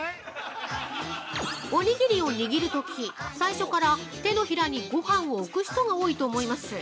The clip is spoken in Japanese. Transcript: おにぎりを握るとき最初から手のひらにごはんを置く人が多いと思います。